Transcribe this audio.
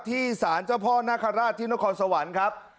ที่สารเจ้าพ่อนาคาราชที่นครสวรรค์ครับ